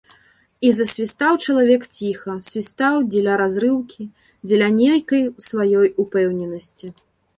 І засвістаў чалавек ціха, свістаў дзеля разрыўкі, дзеля нейкай сваёй упэўненасці.